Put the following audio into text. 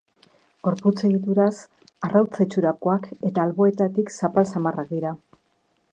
Gorputz egituraz arrautza itxurakoak eta alboetatik zapal samarrak dira.